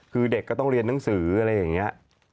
คือเด็กก็ต้องเรียนหนังสืออะไรอย่างนี้